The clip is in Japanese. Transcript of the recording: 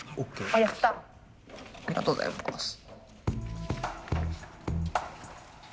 ありがとうございます。